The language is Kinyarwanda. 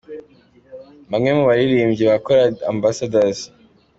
Bamwe mu baririmbyi ba Korali Ambassadors.